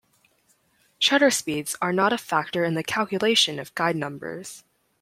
Shutter speeds are not a factor in the calculation of guide numbers.